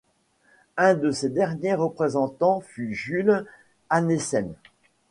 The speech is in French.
Un de ses derniers représentants fut Jules Anneessens.